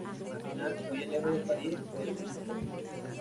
Al final, huye lejos de París, vestido como un obrero.